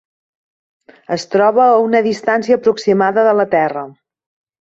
Es troba a una distància aproximada de la Terra.